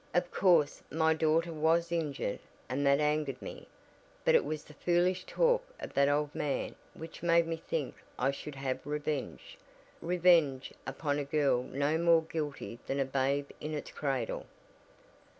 Of course my daughter was injured and that angered me; but it was the foolish talk of that old man which made me think I should have revenge revenge upon a girl no more guilty than a babe in its cradle."